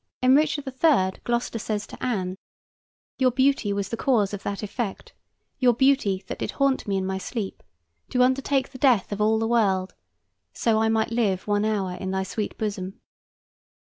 In "Richard III.," Gloster says to Anne: "Your beauty was the cause of that effect: Your beauty, that did haunt me in my sleep, To undertake the death of all the world, So I might live one hour in thy sweet bosom."